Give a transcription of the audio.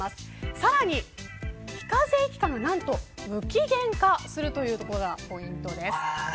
さらに非課税期間は何と無期限化するというところがポイントです。